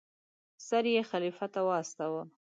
سر یې خلیفه ته واستاوه.